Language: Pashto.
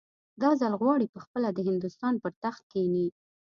دا ځل غواړي پخپله د هندوستان پر تخت کښېني.